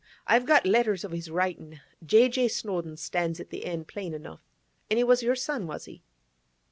I've got letters of his writin'. "J. J. Snowdon" stands at the end, plain enough. And he was your son, was he?